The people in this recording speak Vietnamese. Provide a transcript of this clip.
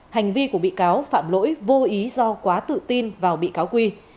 hành vi của bị cáo phạm lỗi vô ý do quá tự tin vào bị cáo quy